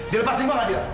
dilepasin kau gak dio